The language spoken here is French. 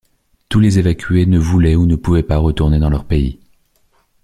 Tous les évacués ne voulaient ou ne pouvaient pas retourner dans leur pays.